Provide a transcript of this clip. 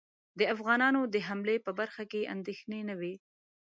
د افغانانو د حملې په برخه کې اندېښنې نه وې.